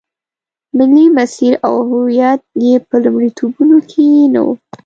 ملي مسیر او هویت یې په لومړیتوبونو کې نه و.